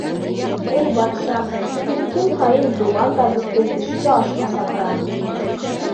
— Эй батшам, һин көн һайын Дубан табипты төшкө ашҡа саҡыраһың.